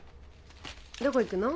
どこ行くの？